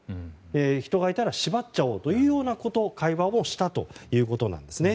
人がいたら縛っちゃおうという会話をしたということです。